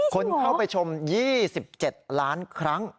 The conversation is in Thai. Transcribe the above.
คนเข้าไปชม๒๗ล้านครั้ง